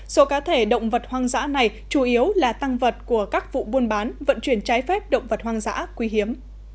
số cá thể động vật hoang dã này chủ yếu là tăng vật của các vụ buôn bán vận chuyển trái phép động vật hoang dã quý hiếm